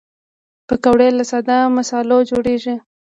پکورې له ساده مصالحو جوړېږي